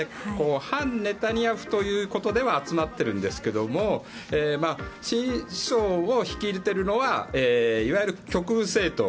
反ネタニヤフということでは集まっているんですけども新首相を率いているのはいわゆる極右政党。